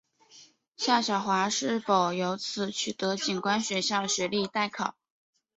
夏晓华是否由此取得警官学校学历待考。